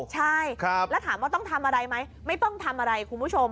ใช่แล้วถามว่าต้องทำอะไรไหมไม่ต้องทำอะไรคุณผู้ชม